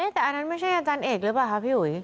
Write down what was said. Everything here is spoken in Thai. แต่อันนั้นไม่ใช่อาจารย์เอกผมคะพี่หุย